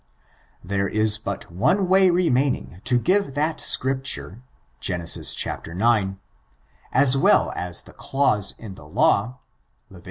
There is but one way remaining to give that scrip* ture. Gen. ix, as well as the clause in the law, Levit.